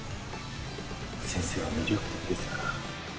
先生は魅力的ですから。